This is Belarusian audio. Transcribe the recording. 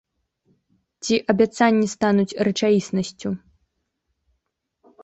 Ці абяцанні стануць рэчаіснасцю?